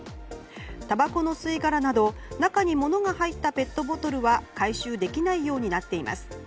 たばこの吸い殻など中に物が入ったペットボトルは回収できないようになっています。